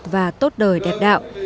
và tốt đời đẹp đạo